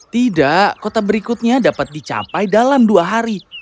tidak kota berikutnya dapat dicapai dalam dua hari